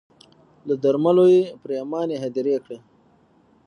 له درملو یې پرېماني هدیرې کړې